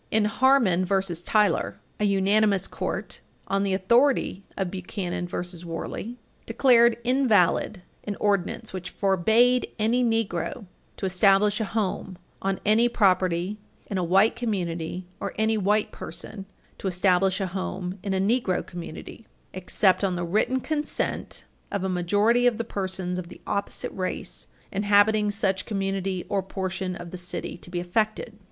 [Footnote 10]" In Harmon v. Tyler, 273 U. S. 68 (1927), a unanimous court, on the authority of Buchanan v. Warley, supra, declared invalid an ordinance which forbade any Negro to establish a home on any property in a white community or any white person to establish a home in a Negro community, "except on the written consent of a majority of the persons of the opposite race inhabiting such community or portion of the City to be affected."